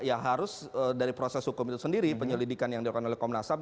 ya harus dari proses hukum itu sendiri penyelidikan yang dilakukan oleh komnas ham